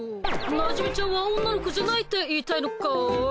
なじみちゃんは女の子じゃないって言いたいのかい？